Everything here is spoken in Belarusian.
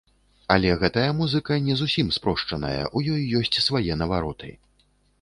Але гэтая музыка не зусім спрошчаная, ў ёй ёсць свае навароты.